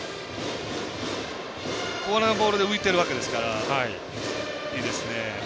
ここのボールで浮いてるわけですからいいですね。